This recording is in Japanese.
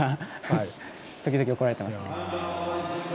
時々、怒られてますね。